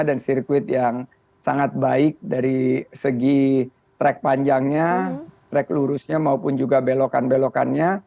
dan sirkuit yang sangat baik dari segi track panjangnya track lurusnya maupun juga belokan belokannya